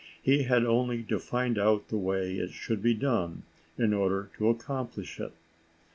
He had only to find out the way it should be done in order to accomplish it.